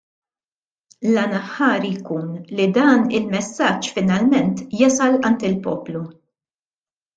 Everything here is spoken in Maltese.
L-għan aħħari jkun li dan il-messaġġ finalment jasal għand il-poplu.